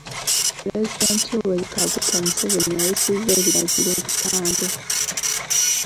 Pulezidenti Yoweri Kaguta Museveni ayisizza ebiragiro ebikambwe.